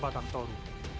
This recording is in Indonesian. pada plt batam toru